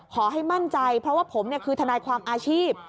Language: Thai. ขอให้มั่นใจเพราะว่าผมคือทนายความอาชีพ